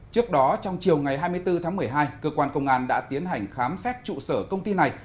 trước đó trong chiều ngày hai mươi bốn tháng một mươi hai cơ quan công an đã tiến hành khám xét trụ sở công ty này